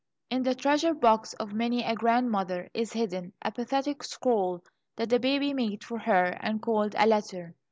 In the treasure box of many a grandmother is hidden a pathetic scrawl that the baby made for her and called "a letter."